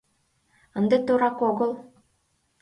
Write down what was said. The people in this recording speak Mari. Ынде торак огыл!..